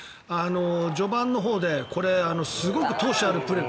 序盤のほうですごく闘志あるプレー。